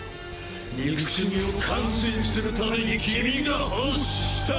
憎しみを完遂する為に君が欲した。